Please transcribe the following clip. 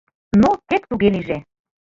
— Ну тек туге лийже.